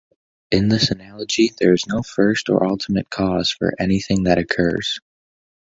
In this analogy, there is no first or ultimate cause for anything that occurs.